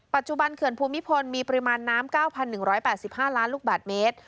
เขื่อนภูมิพลมีปริมาณน้ำ๙๑๘๕ล้านลูกบาทเมตร